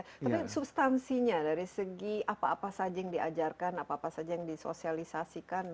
tapi substansinya dari segi apa apa saja yang diajarkan apa apa saja yang disosialisasikan